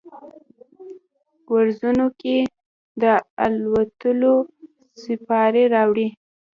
وزرونو کې، د الوتلو سیپارې راوړي